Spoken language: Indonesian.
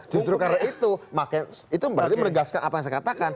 justru karena itu berarti menegaskan apa yang saya katakan